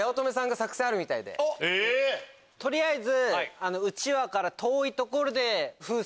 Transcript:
取りあえず。